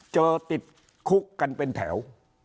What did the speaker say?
เจอติดคุกกันเป็นแถว